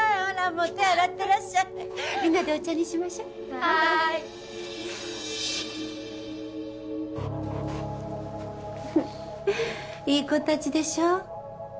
もう手洗ってらっしゃいみんなでお茶にしましょはーいフフッいい子達でしょ？